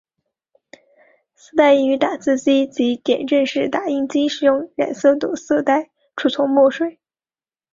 丝带亦于打字机及点阵式打印机使用染色的色带储存墨水。